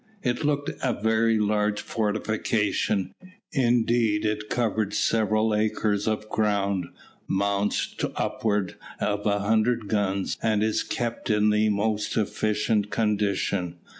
It looked a very large fortification; indeed it covers several acres of ground, mounts upwards of a hundred guns, and is kept in the most efficient condition.